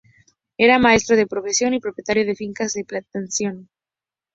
Era maestro de profesión y propietario de fincas de plantación.